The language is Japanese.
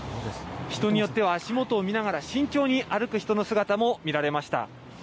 人によっては足元を見ながら、慎重に歩く人の姿も見られました。